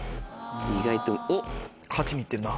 意外とおっ。